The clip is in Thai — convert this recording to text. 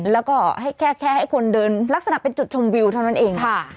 แล้วก็ให้แค่ให้คนเดินลักษณะเป็นจุดชมวิวเท่านั้นเอง